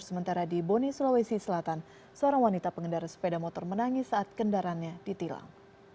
sementara di boni sulawesi selatan seorang wanita pengendara sepeda motor menangis saat kendaraannya ditilang